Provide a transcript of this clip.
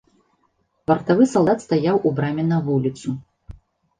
Вартавы салдат стаяў у браме на вуліцу.